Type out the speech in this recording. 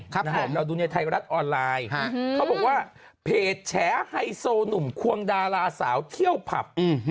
เขาบอกว่าเพจแชร์ไฮโซหนุ่มควงดาราสาวเที่ยวพัฟ